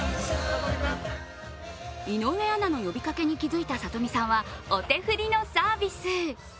井上アナの呼びかけに気付いた、さとみさんはお手振りのサービス。